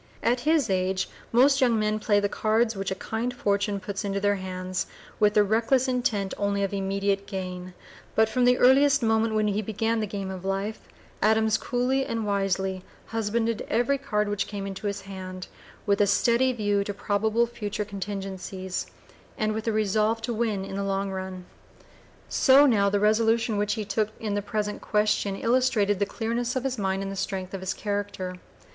At his age most young men play the cards which a kind fortune puts into their hands, with the reckless intent only of immediate gain, (p. 015) but from the earliest moment when he began the game of life Adams coolly and wisely husbanded every card which came into his hand, with a steady view to probable future contingencies, and with the resolve to win in the long run. So now the resolution which he took in the present question illustrated the clearness of his mind and the strength of his character.